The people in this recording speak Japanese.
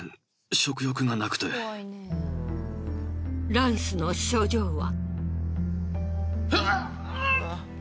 ランスの症状は。